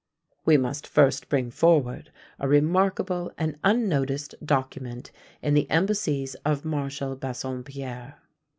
We must first bring forward a remarkable and unnoticed document in the Embassies of Marshal Bassompierre.